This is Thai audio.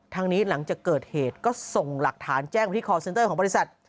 ทางนี้หลังจากเกิดเหตุก็ส่งหลักฐานแจ้งไปที่คอร์เซ็นเตอร์ของบริษัท